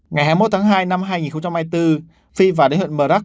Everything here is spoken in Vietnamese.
ngày hai mươi một tháng hai năm hai nghìn hai mươi bốn phi và đến huyện mờ rắc